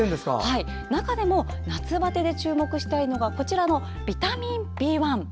中でも、夏バテで注目したいのがこちらのビタミンＢ１。